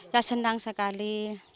ya senang sekali